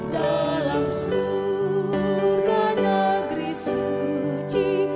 dalam surga negeri suci